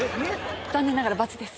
残念ながらバツです。